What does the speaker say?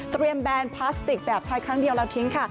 แบนพลาสติกแบบใช้ครั้งเดียวแล้วทิ้งค่ะ